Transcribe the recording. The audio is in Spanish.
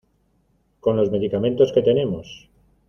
con los medicamentos que tenemos